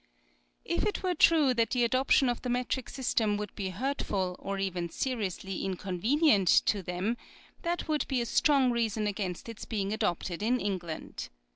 If it were true that the adoption of the metric system would be hurtful, or even seriously inconvenient, to them, that would be a strong reason against its being adopted in England.